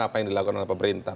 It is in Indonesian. apa yang dilakukan oleh pemerintah